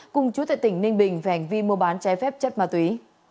cùng chú tệ tỉnh ninh bình và hành vi mua bán chai phép chất ma túy